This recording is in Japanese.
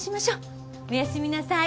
おやすみなさい。